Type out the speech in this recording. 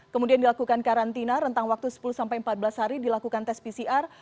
kemudian dilakukan karantina rentang waktu sepuluh sampai empat belas hari dilakukan tes pcr